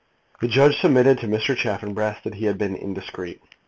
The judge submitted to Mr. Chaffanbrass that he had been indiscreet.